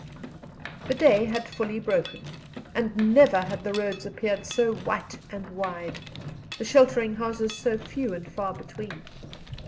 The day had fully broken, and never had the roads appeared so white and wide, the sheltering houses so few and far between.